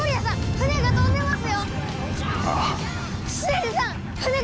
船が飛んでます！